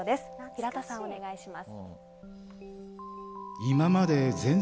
平田さん、お願いします。